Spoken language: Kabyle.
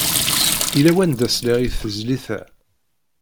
Yella wanda sliɣ i tezlit-a.